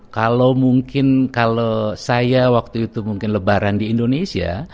kalau mungkin kalau saya waktu itu mungkin lebaran di indonesia